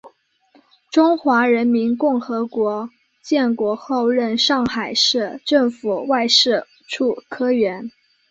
中华人民共和国建国后任上海市政府外事处科员。